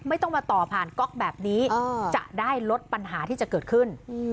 ไม่ต้องมาต่อผ่านก๊อกแบบนี้จะได้ลดปัญหาที่จะเกิดขึ้น